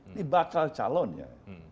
ini bakal calonnya